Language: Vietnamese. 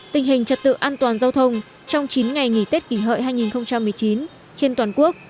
tình hình trật tự an toàn giao thông trong chín ngày nghỉ tết kỷ hợi hai nghìn một mươi chín trên toàn quốc